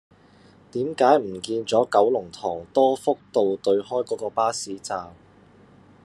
點解唔見左九龍塘多福道對開嗰個巴士站